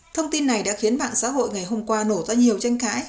thông tin này đã khiến mạng xã hội ngày hôm qua nổ ra nhiều tranh cãi